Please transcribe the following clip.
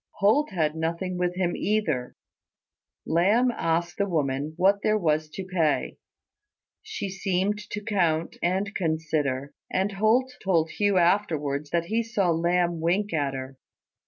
Holt had nothing with him either. Lamb asked the woman what there was to pay. She seemed to count and consider; and Holt told Hugh afterwards that he saw Lamb wink at her.